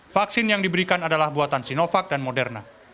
vaksin yang diberikan adalah buatan sinovac dan moderna